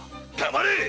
黙れ！